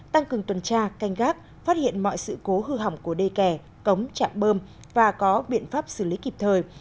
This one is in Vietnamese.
tăng cường tuần tra canh gác phát hiện mọi sự cố hư hỏng của đê kè cống trạm bơm và có biện pháp xử lý kịp thời